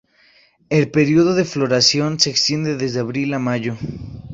El período de floración se extiende desde abril a mayo.